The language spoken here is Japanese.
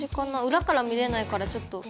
裏から見れないからちょっと。